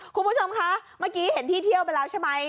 คุณผู้ชมคะเมื่อกี้เห็นที่เที่ยวไปแล้วใช่ไหม